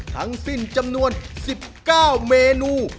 ทั้งสิ้นจำนวน๑๙เมนู